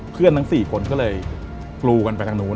เพื่อนทั้ง๔คนก็เลยกลูกันไปทางนู้น